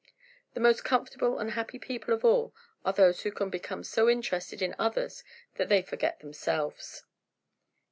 The most comfortable and happy people of all are those who can become so interested in others that they forget themselves.